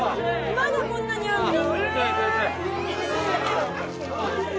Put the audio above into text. まだこんなにあんの？